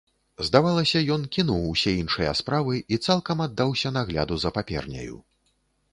Здавалася, ён кінуў усе іншыя справы і цалкам аддаўся нагляду за паперняю.